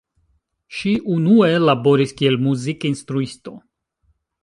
Ŝi unue laboris kiel muzikinstruisto.